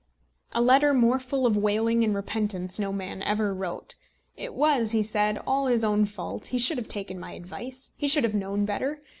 A letter more full of wailing and repentance no man ever wrote. It was, he said, all his own fault. He should have taken my advice. He should have known better.